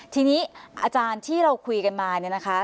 ทีนี้อาจารย์ที่เราคุยกันมาเนี่ยนะคะ